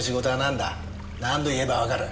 何度言えばわかる。